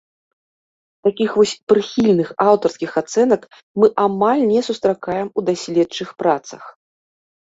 Такіх вось прыхільных аўтарскіх ацэнак мы амаль не сустракаем у даследчых працах.